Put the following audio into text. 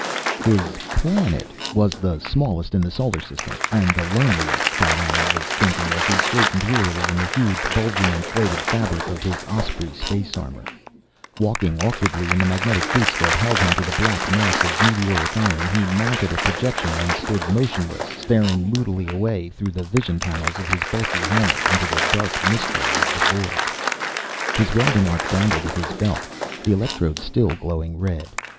] His "planet" was the smallest in the solar system, and the loneliest, Thad Allen was thinking, as he straightened wearily in the huge, bulging, inflated fabric of his Osprey space armor. Walking awkwardly in the magnetic boots that held him to the black mass of meteoric iron, he mounted a projection and stood motionless, staring moodily away through the vision panels of his bulky helmet into the dark mystery of the void. His welding arc dangled at his belt, the electrode still glowing red.